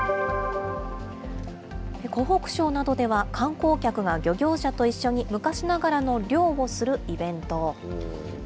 湖北省などでは、観光客が漁業者と一緒に昔ながらの漁をするイベント。